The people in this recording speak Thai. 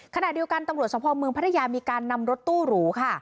ขณะเดียวกันตำรวจสภเมืองพัทยามีการนำรถตู้หรูค่ะ